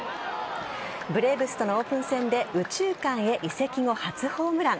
ブレーブスとのオープン戦で右中間へ移籍後、初ホームラン。